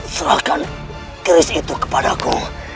serahkan keris itu kepadaku